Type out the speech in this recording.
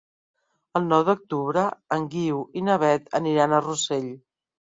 El nou d'octubre en Guiu i na Beth aniran a Rossell.